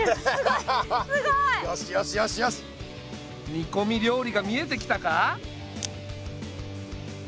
煮こみ料理が見えてきたか？